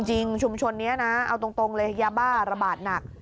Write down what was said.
ชุมชนนี้นะเอาตรงเลยยาบ้าระบาดหนัก